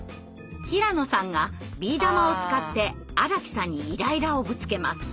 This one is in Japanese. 平野さんがビー玉を使って荒木さんにイライラをぶつけます。